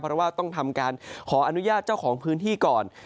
เพราะว่าต้องทำการขออนุญาตเจ้าของพื้นที่ก่อน